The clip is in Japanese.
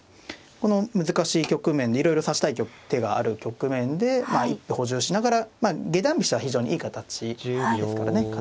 この難しい局面でいろいろ指したい手がある局面でまあ一歩補充しながらまあ下段飛車は非常にいい形ですからね